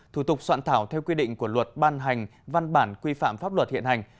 thủ tục soạn thảo theo quy định của luật ban hành văn bản quy phạm pháp luật hiện hành